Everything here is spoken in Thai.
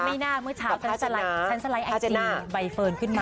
ไม่น่าเมื่อเช้าฉันสไลด์ไอจีใบเฟิร์นขึ้นมา